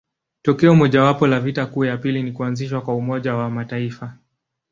Tokeo mojawapo la vita kuu ya pili ni kuanzishwa kwa Umoja wa Mataifa.